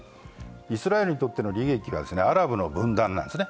イスラエルにとっての利益はアラブの分断なんですね。